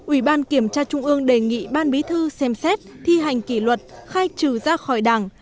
ủy ban kiểm tra trung ương đề nghị ban bí thư xem xét thi hành kỷ luật khai trừ ra khỏi đảng